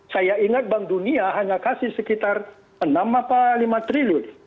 saya ingat bank dunia hanya kasih sekitar enam lima triliun